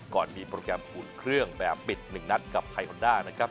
ก่อนมีโปรแกรมอุ่นเครื่องแบบปิด๑นัดกับไทยฮอนด้านะครับ